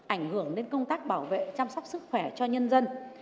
ảnh hưởng đến công tác bảo vệ chăm sóc sức khỏe cho nhân dân